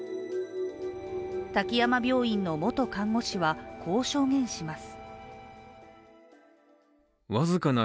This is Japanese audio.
滝山病院の元看護師は、こう証言します。